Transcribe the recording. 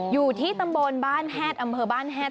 อยู่ที่ตำบลบ้านแฮดอำเภอบ้านแฮด